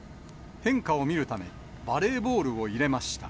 変化を見るため、バレーボールを入れました。